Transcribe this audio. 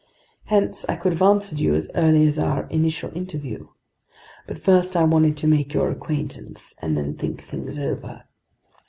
Hence I could have answered you as early as our initial interview, but first I wanted to make your acquaintance and then think things over.